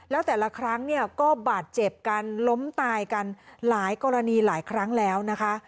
แล้วแต่ละครั้งเนี่ยก็บาดเจ็บกันล้มตายกันหลายกรณีหลายครั้งแล้วนะคะ